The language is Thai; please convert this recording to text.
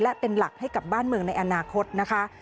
และเป็นหลักให้กับบ้านเมืองในอนาคตนะคะ